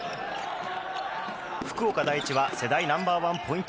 福岡第一は世代ナンバー１ポイント